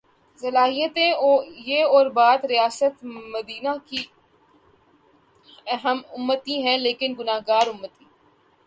صلاحیتیں یہ اور بات ریاست مدینہ کی ہم امتی ہیں لیکن گناہگار امتی۔